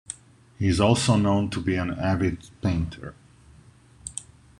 He is also known to be an avid painter.